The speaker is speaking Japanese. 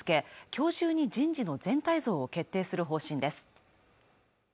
今日中に人事の全体像を決定する方針です